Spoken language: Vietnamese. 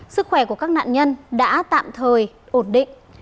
sức khỏe của các nạn nhân đã tạm thời ổn định